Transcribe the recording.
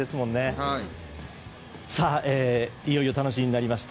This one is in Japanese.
いよいよ楽しみになりました